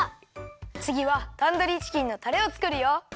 つぎはタンドリーチキンのタレをつくるよ！